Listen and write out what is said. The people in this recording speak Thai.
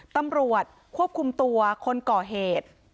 ตำรวจควบคุมตัวคนก่อเหตุ